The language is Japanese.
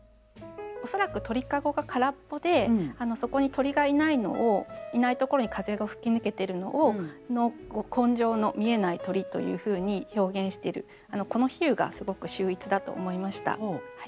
恐らく鳥籠が空っぽでそこに鳥がいないのをいないところに風が吹きぬけてるのを「紺青のみえない鳥」というふうに表現してるこの比喩がすごく秀逸だと思いました。